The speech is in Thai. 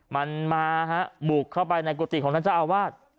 มันมาฮะบุกเข้าไปในกุฏิของท่านเจ้าอาวาส